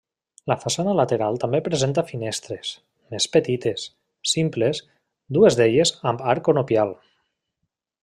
La façana lateral també presenta finestres, més petites, simples, dues d'elles amb arc conopial.